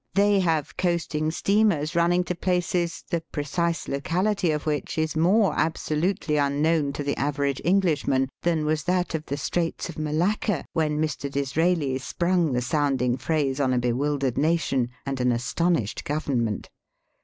They have coasting steamers running to places, the precise locality of which is more absolutely unknown to the average Englishman than was that of the Straits of Malacca, when Mr. Disraeli sprung the sound ing phrase on a bewildered nation and an astonished Government.